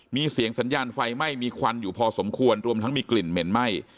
มีเสียงสัญญาณไฟไหม้มีควันอยู่พอสมควรรวมทั้งมีกลิ่นเหม็นไหม้